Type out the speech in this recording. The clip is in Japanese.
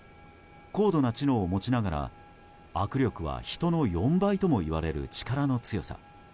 高度な知能を持ちながら、握力は人の４倍ともいわれる力の強さ。